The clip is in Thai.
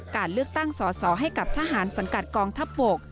การเลือกตั้งสอสอให้กับทหารสังกัดกองทัพบก